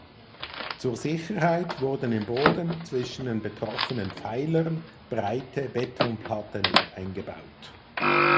Zur Sicherheit wurden im Boden zwischen den betroffenen Pfeilern breite Betonplatten eingebaut.